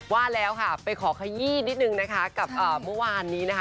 ว่าแล้วค่ะไปขอขยี้นิดนึงนะคะกับเมื่อวานนี้นะคะ